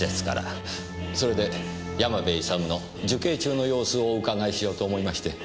それで山部勇の受刑中の様子をお伺いしようと思いまして。